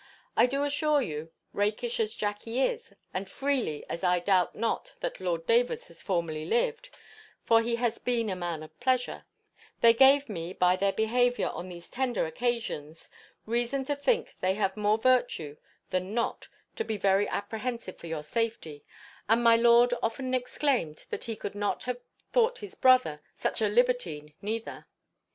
I do assure you, rakish as Jackey is, and freely as I doubt not that Lord Davers has formerly lived (for he has been a man of pleasure), they gave me, by their behaviour on these tender occasions, reason to think they had more virtue than not to be very apprehensive for your safety; and my lord often exclaimed, that he could not have thought his brother such a libertine, neither.